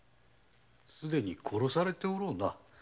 すでに殺されておろうな。